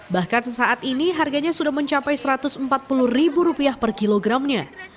bahkan saat ini harganya sudah mencapai satu ratus empat puluh ribu rupiah per kilogramnya